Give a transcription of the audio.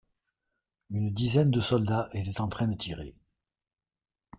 Une dizaine de soldats était en train de tirer.